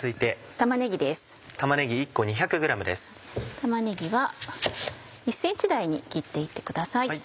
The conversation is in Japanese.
玉ねぎは１ｃｍ大に切って行ってください。